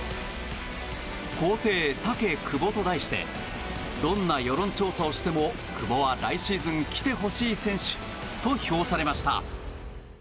皇帝タケ・クボと題してどんな世論調査をしても久保は来シーズン来てほしい選手と評されました。